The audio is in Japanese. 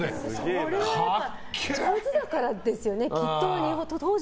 それは上手だからですよね。